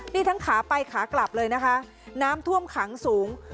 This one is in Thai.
นี่ทั้งขาไปขากลับเลยนะคะน้ำท่วมขังสูง